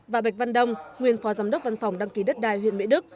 và bạch văn đông nguyên phó giám đốc văn phòng đăng ký đất đai huyện mỹ đức